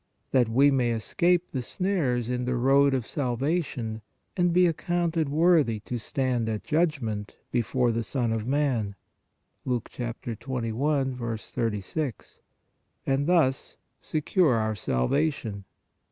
That we may escape the snares in the road of salvation and " be accounted worthy to stand (at judgment) before the Son of man" (Luke 21. 36), and thus secure our salvation.